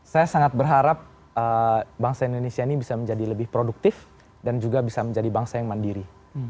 saya sangat berharap bangsa indonesia ini bisa menjadi lebih produktif dan juga bisa menjadi bangsa yang mandiri